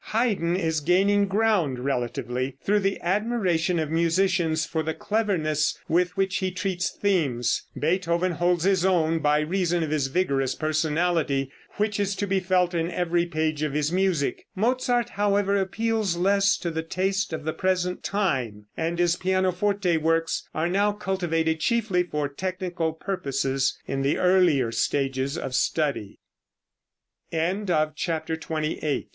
Haydn is gaining ground, relatively, through the admiration of musicians for the cleverness with which he treats themes. Beethoven holds his own by reason of his vigorous personality, which is to be felt in every page of his music. Mozart, however, appeals less to the taste of the present time, and his pianoforte works are now cultivated chiefly for technical purposes, in the earlier stages of study. CHAPTER XXIX.